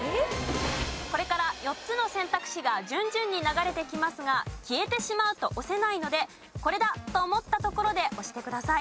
これから４つの選択肢が順々に流れてきますが消えてしまうと押せないので「コレだ！」と思ったところで押してください。